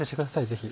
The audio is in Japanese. ぜひ。